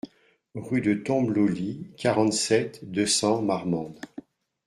Rue de Tombeloly, quarante-sept, deux cents Marmande